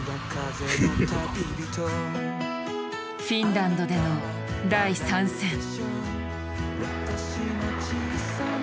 フィンランドでの第３戦。